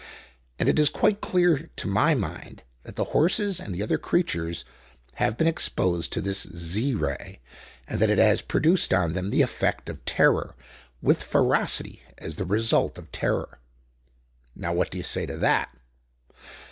And it is quite clear to my mind that the horses and the other creatures have been exposed to this Z Ray, and that it has produced on them the effect of terror, with ferocity as the result of terror. Now what do you say to that?